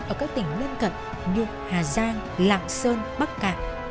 ở các tỉnh lân cận như hà giang lạng sơn bắc cạn